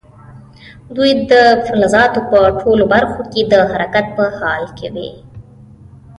دوی د فلزاتو په ټولو برخو کې د حرکت په حال کې وي.